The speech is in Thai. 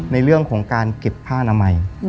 ในเรื่องของการเก็บผ้านามัย